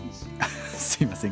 すいません。